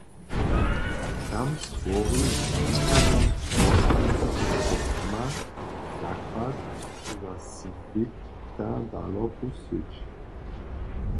Tam stwori ze spisanjom wosebiteho programa zakład za swětadaloku syć.